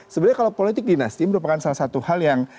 sebenarnya kalau politik dinasti merupakan salah satu hal yang